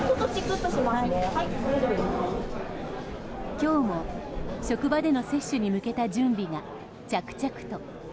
今日も職場での接種に向けた準備が着々と。